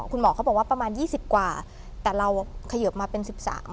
คุณหมอก็บอกว่าประมาณยี่สิบกว่าแต่เราเขยิบมาเป็นสิบสาม